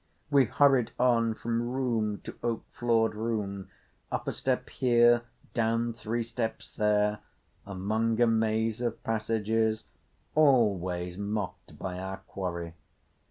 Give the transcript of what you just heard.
We hurried on from room to oak floored room; up a step here, down three steps there; among a maze of passages; always mocked by our quarry.